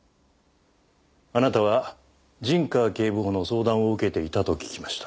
あなたは陣川警部補の相談を受けていたと聞きました。